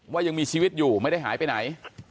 ยังมีชีวิตอยู่ไม่ได้หายไปไหน